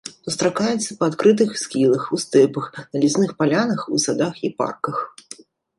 Сустракаецца па адкрытых схілах, у стэпах, на лясных палянах, у садах і парках.